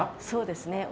そうですね。